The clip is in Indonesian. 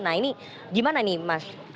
nah ini gimana nih mas